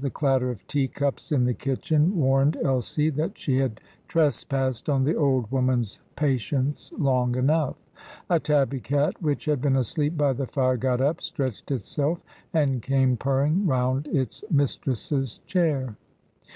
The clatter of teacups in the kitchen warned Elsie that she had trespassed on the old woman's patience long enough. A tabby cat, which had been asleep by the fire, got up, stretched itself, and came purring round its mistress's chair.